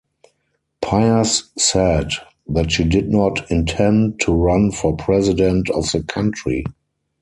Pires said that she did not intend to run for President of the country.